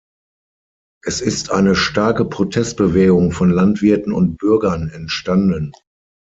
Es ist eine starke Protestbewegung von Landwirten und Bürgern entstanden.